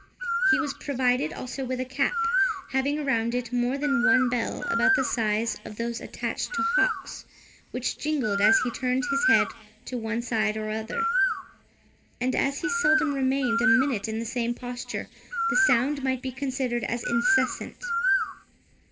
He was provided also with a cap, having around it more than one bell, about the size of those attached to hawks, which jingled as he turned his head to one side or other; and as he seldom remained a minute in the same posture, the sound might be considered as incessant.